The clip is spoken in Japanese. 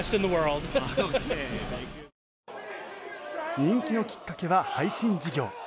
人気のきっかけは配信事業。